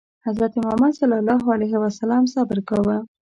حضرت محمد ﷺ صبر کاوه.